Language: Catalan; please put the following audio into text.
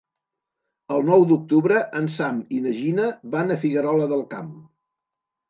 El nou d'octubre en Sam i na Gina van a Figuerola del Camp.